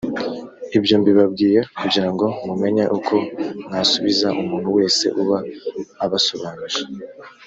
ibyo mbibabwiye kugirango mumenye uko mwasubiza umuntu wese uba abasobanuje